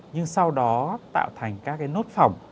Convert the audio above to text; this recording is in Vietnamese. nhưng sau đó tạo thành các nốt phỏng